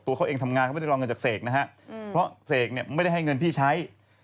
เองทำงานเขาไม่ได้รอเงินจากเสกนะฮะเพราะเสกเนี่ยไม่ได้ให้เงินพี่ใช้